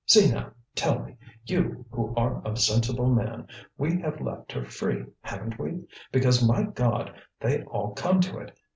"See now, tell me! you, who are a sensible man. We have left her free, haven't we? because, my God! they all come to it.